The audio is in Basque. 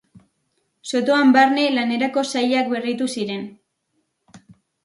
Sotoan barne lanerako sailak berritu ziren.